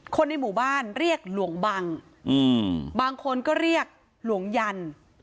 คนในหมู่บ้านเรียกหลวงบังบางคนก็เรียกหลวงยัน